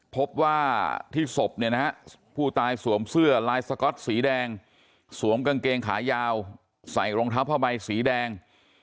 พบว่าที่ศพเนี่ยนะฮะผู้ตายสวมเสื้อลายสก๊อตสีแดงสวมกางเกงขายาวใส่รองเท้าผ้าใบสีแดง